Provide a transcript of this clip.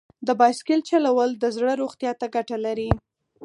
د بایسکل چلول د زړه روغتیا ته ګټه لري.